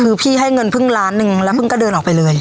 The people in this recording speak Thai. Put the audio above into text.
คือพี่ให้เงินเพิ่งล้านหนึ่งแล้วเพิ่งก็เดินออกไปเลย